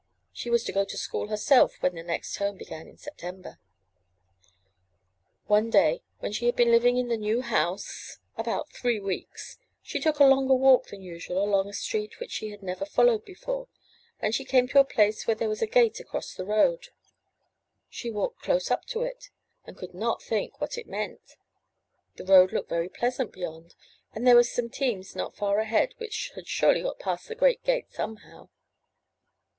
She was to go to school herself when the next term began in September. One day when she had been living in the new house 437 MY BOOK HOUSE about three weeks, she took a longer walk than usual along a street which she had never followed before, and she came to a place where there was a gate across the road. She walked close up to it, and could not think what it meant. The road looked very pleasant beyond, and there were some teams not far ahead which had surely got past the great gate somehow.